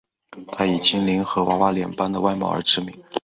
她以精灵和娃娃脸般的外貌而知名。